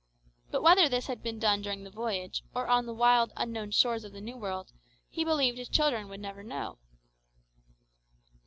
But whether this had been done during the voyage, or on the wild unknown shores of the New World, he believed his children would never know.